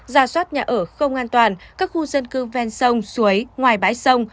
ra soát nhà ở không an toàn các khu dân cư ven sông suối ngoài bãi sông